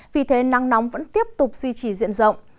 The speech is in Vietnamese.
vì thế nắng nóng vẫn tiếp tục duy trì diện rộng